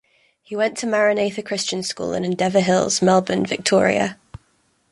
He went to Maranatha Christian School in Endeavour Hills, Melbourne, Victoria.